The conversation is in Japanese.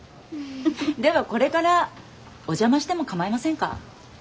ではこれからお邪魔してもかまいませんか？